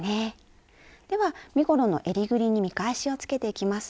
では身ごろのえりぐりに見返しをつけていきます。